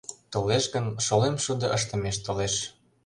Толеш гын, шолем шудо ыштымеш толеш.